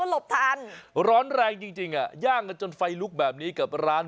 โอ้โหร้อนแรงจริงย่างกันจนไฟลุกแบบนี้กับร้าน